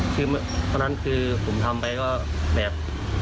คือตอนนั้นคือผมทำไปก็แบบ